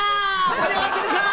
盛り上がってるかー！